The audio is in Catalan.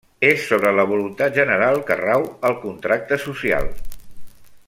És sobre la voluntat general que rau el contracte social.